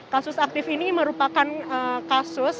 kasus aktif ini merupakan kasus